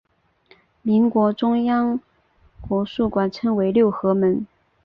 民国中央国术馆称为六合门。